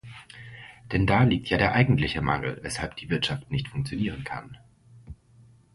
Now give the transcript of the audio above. Denn da liegt ja der eigentliche Mangel, weshalb die Wirtschaft nicht funktionieren kann.